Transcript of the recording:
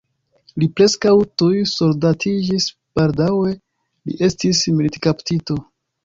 Li preskaŭ tuj soldatiĝis, baldaŭe li estis militkaptito.